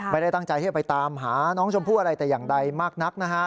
ไม่ได้ตั้งใจที่จะไปตามหาน้องชมพู่อะไรแต่อย่างใดมากนักนะฮะ